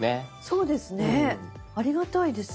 そうですねありがたいです。